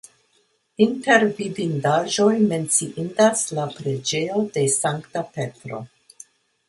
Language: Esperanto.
Inter vidindaĵoj menciindas la preĝejo de Sankta Petro.